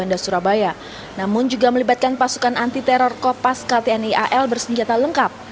dan juga melibatkan pasukan anti teror kopas ktni al bersenjata lengkap